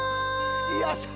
よっしゃ！